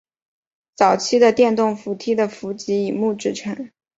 早期的电动扶梯的梯级以木制成。